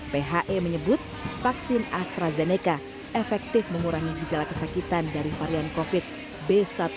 phe menyebut vaksin astrazeneca efektif mengurangi gejala kesakitan dari varian covid b satu satu